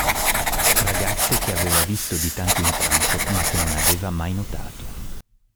Ragazze che ha visto di tanto in tanto, ma che non aveva mai notato.